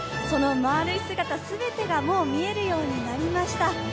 その丸い姿、全てがもう見えるようになりました。